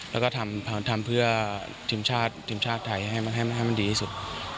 แล้วก็ทำเพื่อทีมชาติไทยให้มันดีที่สุด